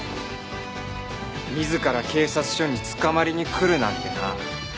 自ら警察署に捕まりに来るなんてな。